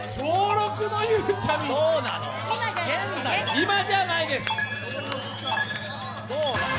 今じゃないです。